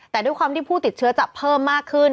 แต่ด้วยความที่ผู้ติดเชื้อจะเพิ่มมากขึ้น